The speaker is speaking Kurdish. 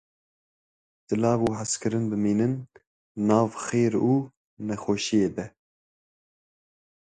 Silav û hizkirin biminin nav xêr û xweşiyê de.